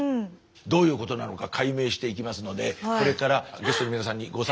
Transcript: どういうことなのか解明していきますのでこれからゲストの皆さんにご参加頂きたいものがございます。